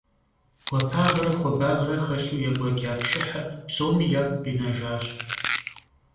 Гуапагъэрэ хуабагъэрэ хэлъу екӀуэкӀа пшыхьыр псоми ягу къинэжащ.